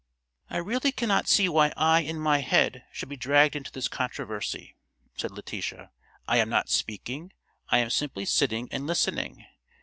"I really cannot see why I and my head should be dragged into this controversy," said Letitia. "I am not speaking; I am simply sitting and listening.